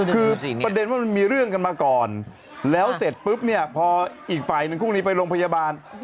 คือประเด็นว่ามันมีเรื่องกันมาก่อนแล้วเสร็จปุ๊บเนี่ยพออีกฝ่ายหนึ่งคู่นี้ไปโรงพยาบาล